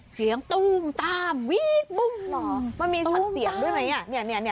เสียงตูมตามวีบุ้งอ๋อมันมีสัตว์เสียงด้วยไหมเนี่ยเนี่ยเนี่ย